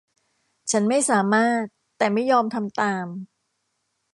ฉันไม่สามารถแต่ไม่ยอมทำตาม